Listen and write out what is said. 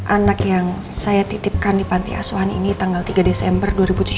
anak yang saya titipkan di panti asuhan ini tanggal tiga desember dua ribu tujuh belas